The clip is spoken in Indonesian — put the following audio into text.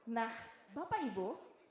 nah bapak ibu